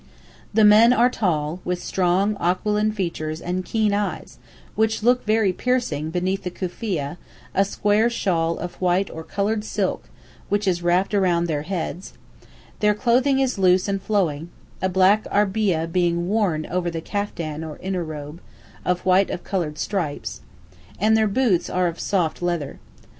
The men are tall, with strong aquiline features and keen eyes, which look very piercing beneath the "cufia," which is wrapped around their heads; their clothing is loose and flowing, a black "arbiyeh" being worn over the "khaftan," or inner robe, of white or coloured stripes, and their boots are of soft leather.